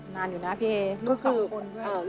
นานอยู่นะพี่เอลูกสองคนด้วย